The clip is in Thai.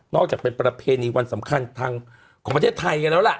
อกจากเป็นประเพณีวันสำคัญทางของประเทศไทยกันแล้วล่ะ